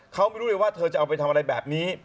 เขาไม่รู้เลยว่าเธอจะเอาไปทำอะไรแบบนี้